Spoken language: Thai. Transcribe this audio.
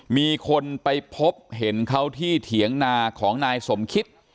มีคนไปพบเห็นเขาที่เถียงนาของนายสมคิต